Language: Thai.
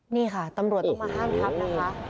นี่ค่ะตำรวจต้องมาห้ามทับนะคะ